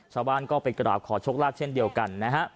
ชาวบ้านก็ไปกราบขอโชคลาภเช่นเดียวกันนะฮะ